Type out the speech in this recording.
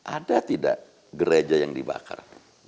ada tidak gereja yang dibakar